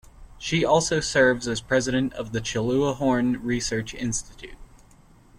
She also serves as president of the Chulabhorn Research Institute.